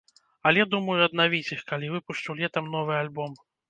Але думаю аднавіць іх, калі выпушчу летам новы альбом.